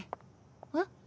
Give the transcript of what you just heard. えっ？